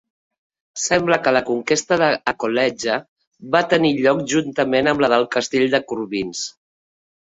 Sembla que la conquesta d'Alcoletge va tenir lloc juntament amb la del castell de Corbins.